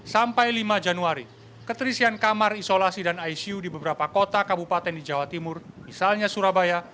sampai lima januari keterisian kamar isolasi dan icu di beberapa kota kabupaten di jawa timur misalnya surabaya